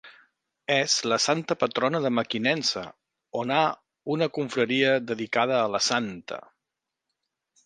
És la santa patrona de Mequinensa, on ha una confraria dedicada a la santa.